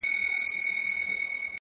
اخلاق د انسان تر شتمنۍ لوړ دي